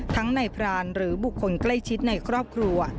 ทั้งในพรานหรือบุคคลใกล้ชิดในครอบครัว